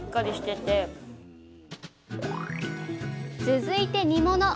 続いて煮物。